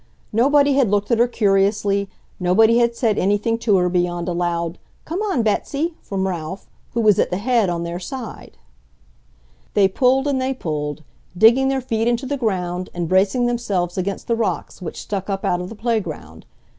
Nobody had looked at her curiously, nobody had said anything to her beyond a loud, "Come on, Betsy!" from Ralph, who was at the head on their side. They pulled and they pulled, digging their feet into the ground and bracing themselves against the rocks which stuck up out of the playground.